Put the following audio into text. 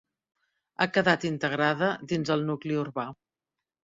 Ha quedat integrada dins el nucli urbà.